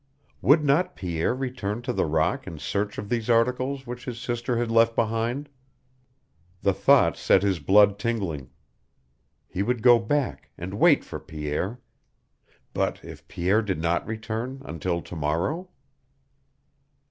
Would not Pierre return to the rock in search of these articles which his sister had left behind? The thought set his blood tingling. He would go back and wait for Pierre. But if Pierre did not return until to morrow?